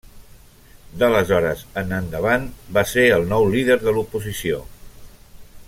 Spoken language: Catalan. D'aleshores en endavant va ser el nou líder de l'oposició.